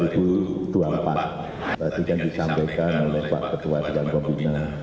berarti kan disampaikan oleh pak ketua dewan pemina